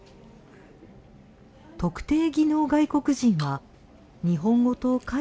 特定技能外国人は日本語と介護の技能